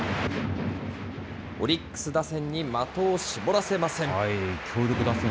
オリックス打線に的を絞らせません。